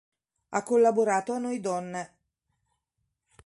Ha collaborato a "Noi donne".